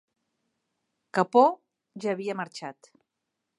Capó ja havia marxat.